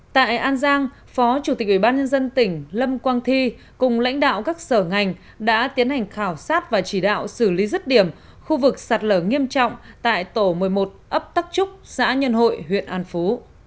tại an giang phó chủ tịch ubnd tỉnh lâm quang thi cùng lãnh đạo các sở ngành đã tiến hành khảo sát và chỉ đạo xử lý rứt điểm khu vực sạt lở nghiêm trọng tại tổ một mươi một ấp tắc trúc xã nhân hội huyện an phú